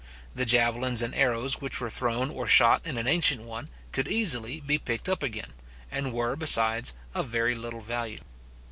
The javelins and arrows which were thrown or shot in an ancient one, could easily be picked up again, and were, besides, of very little value.